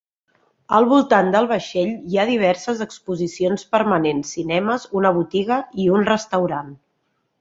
Al voltant del vaixell hi ha diverses exposicions permanents, cinemes, una botiga i un restaurant.